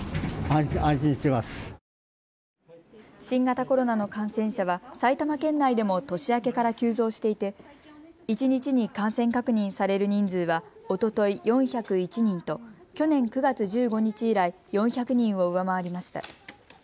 新型コロナの感染者は埼玉県内でも年明けから急増していて一日に感染確認される人数はおととい４０１人と去年９月１５日以来、４００人を上回りました。